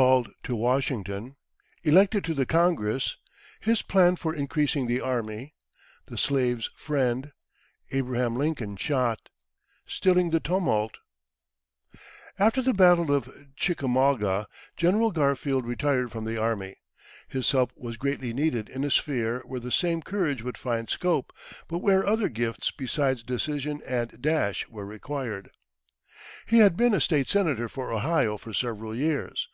Called to Washington Elected to the Congress His Plan for increasing the Army The Slaves' Friend Abraham Lincoln shot Stilling the Tumult. After the battle of Chickamauga, General Garfield retired from the army. His help was greatly needed in a sphere where the same courage would find scope, but where other gifts besides decision and dash were required. He had been a State Senator for Ohio for several years.